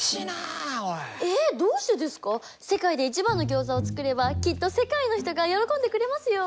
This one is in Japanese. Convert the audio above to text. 世界で一番のギョーザを作ればきっと世界の人が喜んでくれますよ。